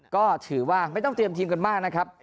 ก็ถือว่าไม่ต้องเตรียมทีมกันมากนะครับ